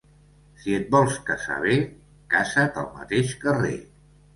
Si et vols casar bé, casa't al mateix carrer.